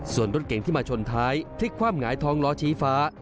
ส่วนรถเก่งที่มาชนท้ายพลิกความหงายท้องล้อชี้ฟ้า